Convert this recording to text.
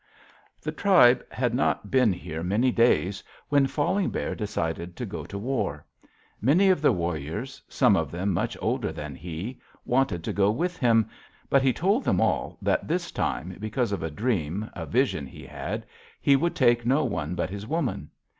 "The tribe had not been here many days when Falling Bear decided to go to war. Many of the warriors, some of them much older than he, wanted to go with him, but he told them all that this time, because of a dream, a vision he had, he would take no one but his woman.